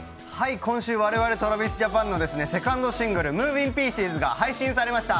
今週我々ＴｒａｖｉｓＪａｐａｎのセカンドシングル、「ＭｏｖｉｎｇＰｉｅｃｅｓ」が配信されました！